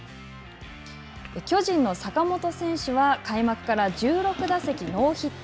巨人の坂本選手は、開幕から１６打席ノーヒット。